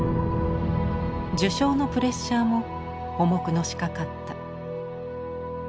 受賞のプレッシャーも重くのしかかった。